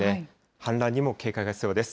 氾濫にも警戒が必要です。